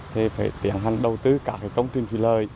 thì phải tiến hành đầu tư cả công ty